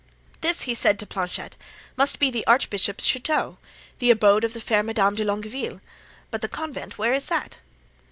"This," he said to Planchet, "must be the archbishop's chateau, the abode of the fair Madame de Longueville; but the convent, where is that?"